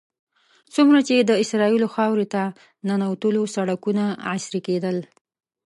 څومره چې د اسرائیلو خاورې ته ننوتلو سړکونه عصري کېدل.